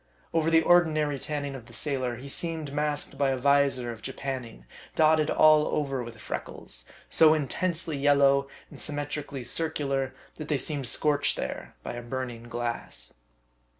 Over the ordinary tanriing of the sailor, he seemed masked by a visor of japanning, dotted all over with freckles, so intensely yellow, and symmetrically circular, that they seemed scorched there by a burning glass.